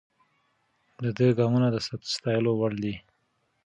د ده ګامونه د ستایلو وړ دي.